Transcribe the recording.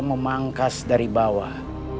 memangkas dari bawah